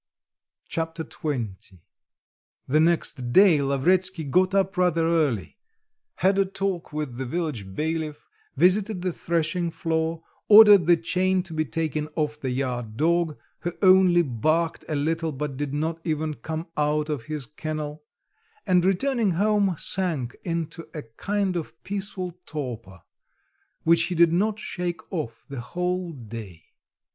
Chapter XX The next day Lavretsky got up rather early, had a talk with the village bailiff, visited the threshing floor, ordered the chain to be taken off the yard dog, who only barked a little but did not even come out of his kennel, and returning home, sank into a kind of peaceful torpor, which he did not shake off the whole day.